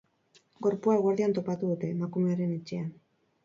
Gorpua eguerdian topatu dute, emakumearen etxean.